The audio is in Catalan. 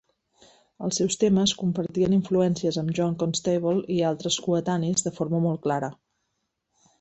Els seus temes compartien influències amb John Constable i altres coetanis de forma molt clara.